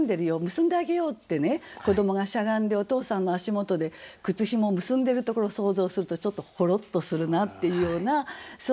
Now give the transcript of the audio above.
結んであげようってね子どもがしゃがんでお父さんの足元で靴紐を結んでるところを想像するとちょっとほろっとするなっていうようなそういう句です。